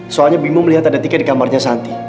soalnya bimo melihat ada tiket di kamarnya santi